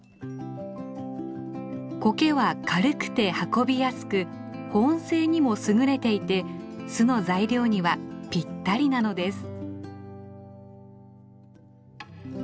コケは軽くて運びやすく保温性にも優れていて巣の材料にはぴったりなのです。